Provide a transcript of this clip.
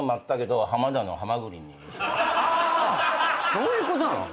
そういうことなの？